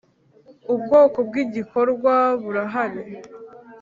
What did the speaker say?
Ubwoko bw’ igikorwa burahari.